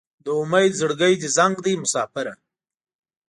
د امید زړګی دې زنګ دی مساپره